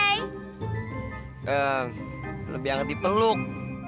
ehm lebih hangat dipeluk